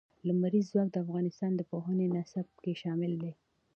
لمریز ځواک د افغانستان د پوهنې نصاب کې شامل دي.